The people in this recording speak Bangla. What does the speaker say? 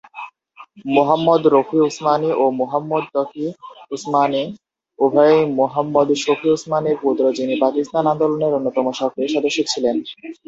মুহাম্মদ রফি উসমানি ও মুহাম্মদ তাকি উসমানি উভয়েই মুহাম্মদ শফি উসমানির পুত্র, যিনি পাকিস্তান আন্দোলনের অন্যতম সক্রিয় সদস্য ছিলেন।